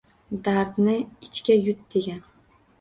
Dardni ichga yut, degan.